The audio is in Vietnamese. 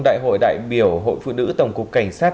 đại hội đại biểu hội phụ nữ tổng cục cảnh sát